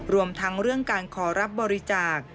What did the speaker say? รวมทั้งเรื่องการขอรับบริจาค